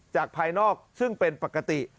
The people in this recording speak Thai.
ภายนอกซึ่งเป็นปกติ